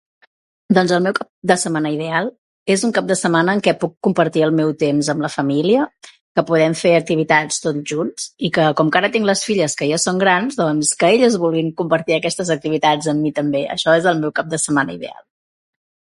Doncs el meu cap de setmana ideal és un cap de setmana en què puc compartir el meu temps amb la família, que podem fer activitats tots junts i que, com que ara tinc les filles que ja són grans, doncs, que elles vulguin compartir aquestes activitats amb mi també. Això és el meu cap de setmana ideal.